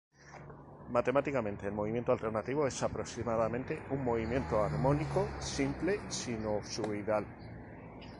Matemáticamente, el movimiento alternativo es aproximadamente un movimiento armónico simple sinusoidal.